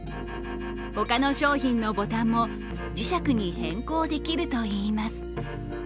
他の商品のボタンも磁石に変更できるといいます。